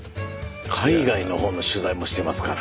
海外のほうの取材もしてますから。